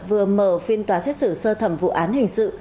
vừa mở phiên tòa xét xử sơ thẩm vụ án hình sự